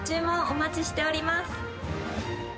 お待ちしております。